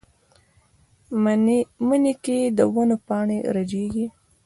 مني کې د ونو پاڼې رژېږي